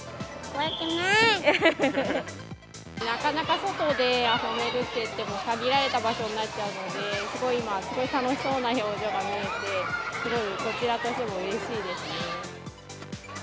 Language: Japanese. なかなか外で遊べるといっても限られた場所になっちゃうので、すごい今、楽しそうな表情が見れて、すごいこちらとしてもうれしいですね。